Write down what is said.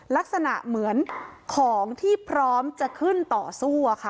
ลักษณะเหมือนของที่พร้อมจะขึ้นต่อสู้อะค่ะ